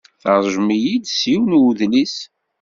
Teṛjem-iyi-d s yiwen n udlis.